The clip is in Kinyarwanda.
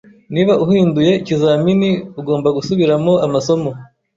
Niba uhinduye ikizamini, ugomba gusubiramo amasomo